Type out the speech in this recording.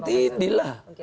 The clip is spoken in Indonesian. ya memang tidak lah